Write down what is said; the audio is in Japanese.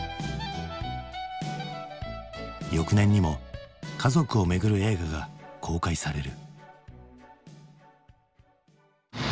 翌年にも家族をめぐる映画が公開される。